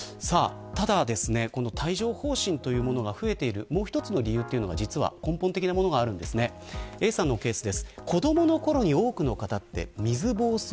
ただ、帯状疱疹というものが増えているもう１つの理由には根本的なものがあるんですがＡさんのケースです。